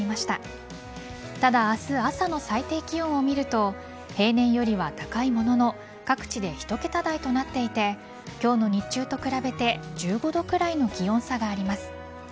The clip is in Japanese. ただ、明日朝の最低気温を見ると平年よりは高いものの各地で１桁台となっていて今日の日中と比べて１５度くらいの気温差があります。